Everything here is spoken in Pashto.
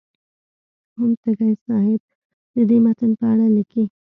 مرحوم تږی صاحب د دې متن په اړه لیکي.